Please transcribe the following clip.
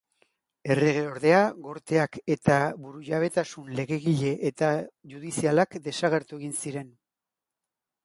Erregeordea, Gorteak eta burujabetasun legegile eta judizialak desagertu egin ziren.